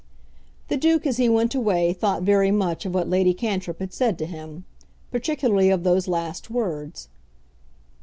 The Duke as he went away thought very much of what Lady Cantrip had said to him; particularly of those last words.